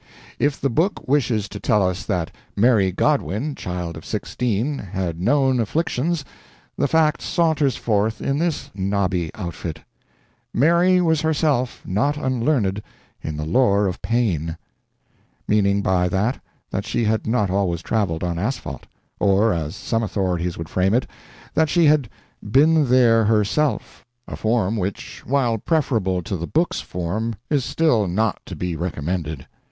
If the book wishes to tell us that Mary Godwin, child of sixteen, had known afflictions, the fact saunters forth in this nobby outfit: "Mary was herself not unlearned in the lore of pain" meaning by that that she had not always traveled on asphalt; or, as some authorities would frame it, that she had "been there herself," a form which, while preferable to the book's form, is still not to be recommended.